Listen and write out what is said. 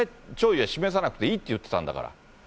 弔意は示さなくていいってなってたんだから。